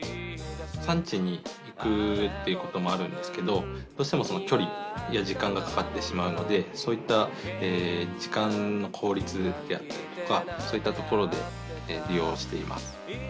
産地に行くっていうこともあるんですけどどうしてもきょりや時間がかかってしまうのでそういった時間の効率であったりとかそういったところで利用しています。